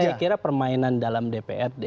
saya kira permainan dalam dprd